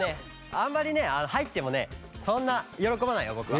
あんまりねはいってもねそんなよろこばないよぼくは。